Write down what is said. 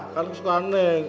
kan suka neng